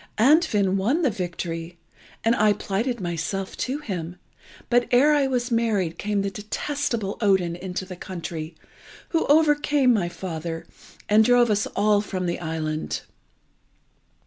Andfind won the victory, and I plighted myself to him; but ere I was married came the detestable Odin into the country, who overcame my father, and drove us all from the island.